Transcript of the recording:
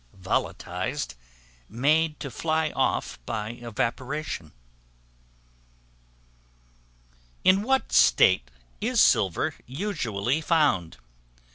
Volatilized, made to fly off by evaporation. In what state is Silver usually found?